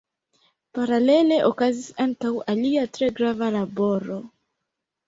Paralele okazis ankaŭ alia tre grava laboro.